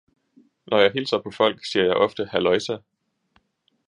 Når jeg hilser på folk, siger jeg ofte "halløjsa"